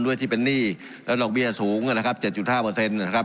ด้วยที่เป็นหนี้แล้วหลอกเบี้ยสูงน่ะนะครับเจ็ดจุดห้าเปอร์เซ็นต์น่ะครับ